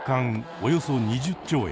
およそ２０兆円。